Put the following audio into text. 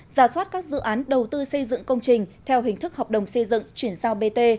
ra soát các dự án đầu tư xây dựng công trình theo hình thức hợp đồng xây dựng chuyển giao bt